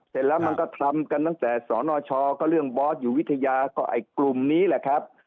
เสร็จแล้วมันก็ทำกันตั้งแต่สนชก็เรื่องบอสอยู่วิทยาก็ไอ้กลุ่มนี้แหละครับ